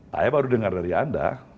saya baru dengar dari anda